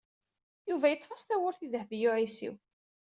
Yuba yeḍḍef-as tawwurt i Dehbiya u Ɛisiw.